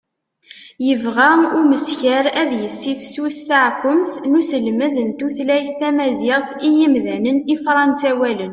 yebɣa umeskar ad yessifsus taɛekkumt n uselmed n tutlayt tamaziɣt i yimdanen ifransawalen